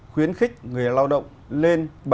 khuyến khích người lao động lên